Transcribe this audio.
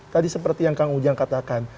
tadi seperti yang kang ujang katakan